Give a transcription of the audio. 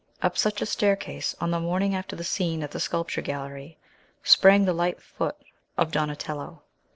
Up such a staircase, on the morning after the scene at the sculpture gallery, sprang the light foot of Donatello.